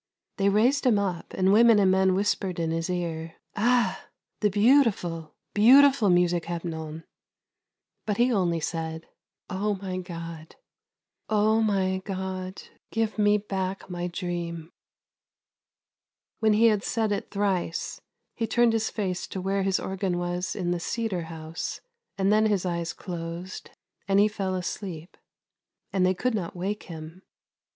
They raised him up, and women and men whispered in his ear: " Ah, the beautiful, beautiful music, Hepnon !" But he only said :" Oh my God, Oh my God, give me back my dream !" When he had said it thrice, he turned his face to where his organ was in the cedar house, and then his eyes closed, and he fell asleep. And they could not wake him.